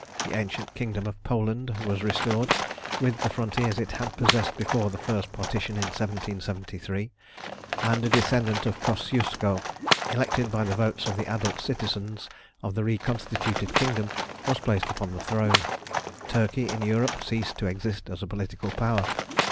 The ancient kingdom of Poland was restored, with the frontiers it had possessed before the First Partition in 1773, and a descendant of Kosciusko, elected by the votes of the adult citizens of the reconstituted kingdom, was placed upon the throne. Turkey in Europe ceased to exist as a political power.